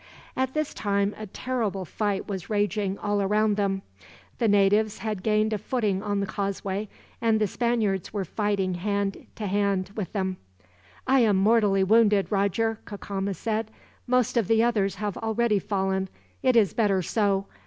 At this time a terrible fight was raging all around them. The natives had gained a footing on the causeway, and the Spaniards were fighting hand to hand with them. "I am mortally wounded, Roger," Cacama said. "Most of the others have already fallen. It is better so.